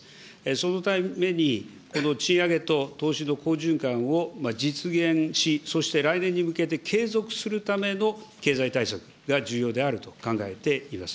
そのために、賃上げと投資の好循環を実現し、そして、来年に向けて継続するための経済対策が重要であると考えています。